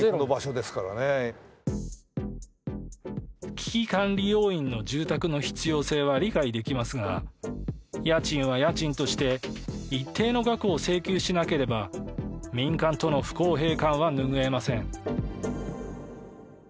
危機管理要員の住宅の必要性は理解できますが家賃は家賃として一定の額を請求しなければ民間との不公平感は拭えません。